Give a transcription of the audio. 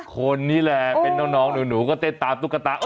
คนนี้แหละเป็นน้องหนูก็เต้นตามตุ๊กตา